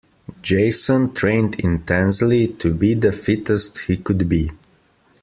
Jason trained intensely to be the fittest he could be.